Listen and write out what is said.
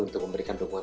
untuk memberikan dukungan